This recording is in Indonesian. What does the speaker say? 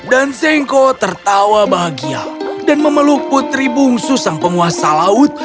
dan zengko tertawa bahagia dan memeluk putri bungsu sang penguasa laut